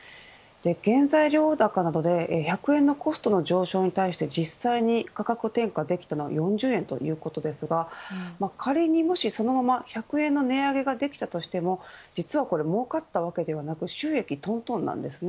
原材料高などで１００円のコストの上昇に対して実際に価格転嫁できたのは４０円ということですが仮にもしそのまま１００円の値上げができたとしても実はこれもうかったわけはなく収益、とんとんなんですね。